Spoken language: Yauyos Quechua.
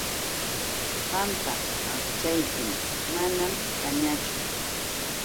Qampa aqchaykim manam kanñachu.